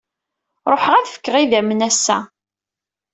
Ruḥeɣ ad fkeɣ idammen assa.